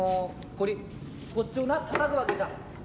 こっちをなたたくわけだ。